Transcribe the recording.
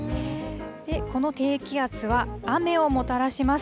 で、この低気圧は雨をもたらします。